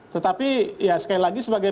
tetapi sekali lagi sebagai